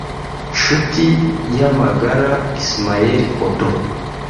Nshutiyamagara Ismael Kodo